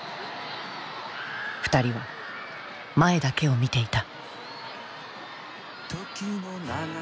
２人は前だけを見ていた。